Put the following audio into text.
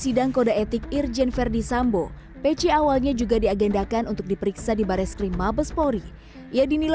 sejak ditetapkan sebagai tersangka pc belum ditahan dengan alasan sakit